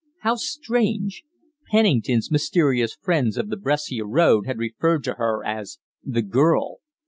How strange! Pennington's mysterious friends of the Brescia road had referred to her as "the girl."